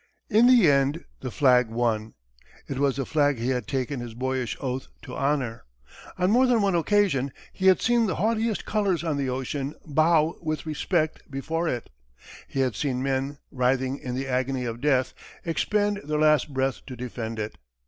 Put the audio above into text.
In the end, the flag won. It was the flag he had taken his boyish oath to honor; on more than one occasion, he had seen the haughtiest colors on the ocean bow with respect before it; he had seen men, writhing in the agony of death, expend their last breath to defend it.